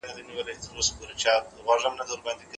که قلم ډیر کلک ونیول سي نو لاس ستړی کیږي.